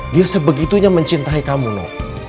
dia sebegitunya mencintai kamu